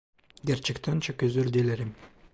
Gerçekten çok özür dilerim.